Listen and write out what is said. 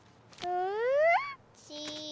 うん？